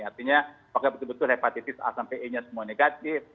artinya apakah betul betul hepatitis a sampai e nya semua negatif